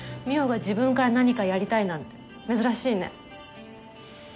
望緒が自分から何かやりたいなんて珍しいね。